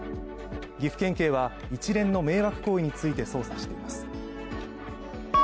岐阜県警は一連の迷惑行為について捜査しています。